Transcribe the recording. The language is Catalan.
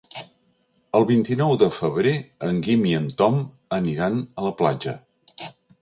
El vint-i-nou de febrer en Guim i en Tom aniran a la platja.